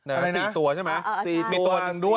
อะไรนะสี่ตัวใช่ไหมมีตัวอังด้วน